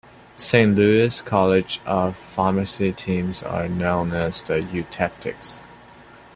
Saint Louis College of Pharmacy teams are known as the Eutectics.